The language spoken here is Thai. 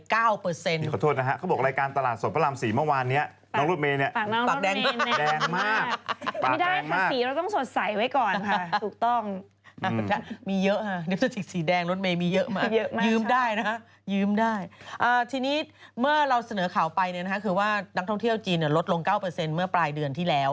ขอโทษนะครับเขาบอกรายการตลาดสดประลำศรีเมื่อวานนี้